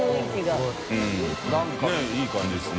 小峠）ねぇいい感じですね。